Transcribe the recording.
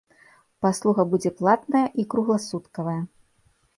Паслуга будзе платная і кругласуткавая.